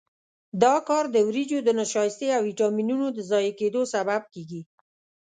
دا کار د وریجو د نشایستې او ویټامینونو د ضایع کېدو سبب کېږي.